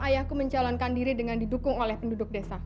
ayahku menjalankan diri dengan didukung oleh penduduk desa